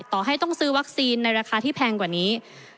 ต่อให้ต้องซื้อวัคซีนในราคาที่แพงกว่านี้